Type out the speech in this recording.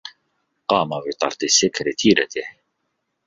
قام بطرد سكرتيرته.